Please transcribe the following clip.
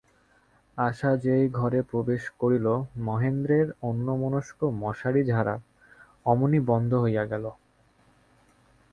আশা যেই ঘরে প্রবেশ করিল, মহেন্দ্রের অন্যমনস্ক মশারি-ঝাড়া অমনি বন্ধ হইয়া গেল।